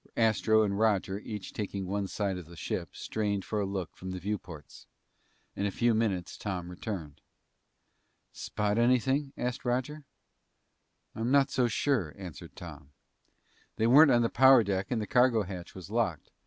Astro and Roger, each taking one side of the ship, strained for a look from the viewports. In a few minutes Tom returned. "Spot anything?" asked Roger. "I'm not so sure," answered Tom. "They weren't on the power deck and the cargo hatch was locked.